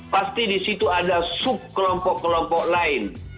pasti disitu ada sub kelompok kelompok lain